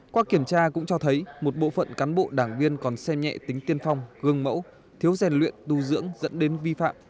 qua kiểm tra cũng cho thấy một bộ phận cán bộ đảng viên còn xem nhẹ tính tiên phong gương mẫu thiếu rèn luyện tu dưỡng dẫn đến vi phạm